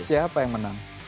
siapa yang menang